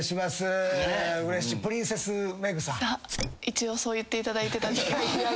一応そう言っていただいてた。